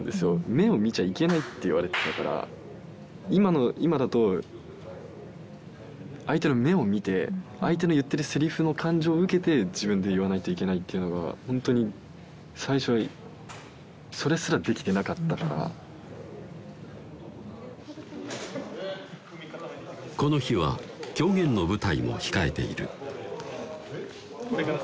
目を見ちゃいけないって言われてたから今の今だと相手の目を見て相手の言ってるセリフの感情を受けて自分で言わないといけないっていうのがホントに最初はそれすらできてなかったからこの日は狂言の舞台も控えているこれから？